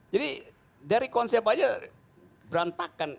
jadi dari konsep saja berantakan